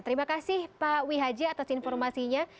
terima kasih pak wihaji atas informasinya